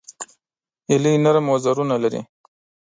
هیلۍ نرم وزرونه لري